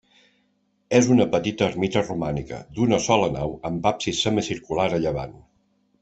És una petita ermita romànica, d'una sola nau amb absis semicircular a llevant.